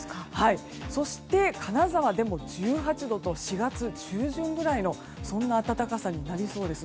そして、金沢でも１８度と４月中旬くらいのそんな暖かさになりそうです。